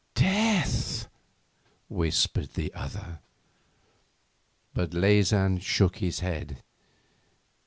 'Death?' whispered the other. But Leysin shook his head.